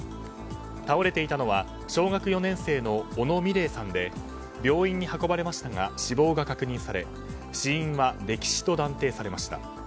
倒れていたのは小学４年生の小野美怜さんで病院へ運ばれましたが死亡が確認され死因は溺死と断定されました。